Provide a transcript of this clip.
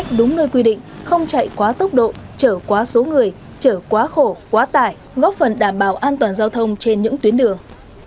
đúng nơi quy định không chạy quá tốc độ trở quá số người chở quá khổ quá tải góp phần đảm bảo an toàn giao thông trên những tuyến đường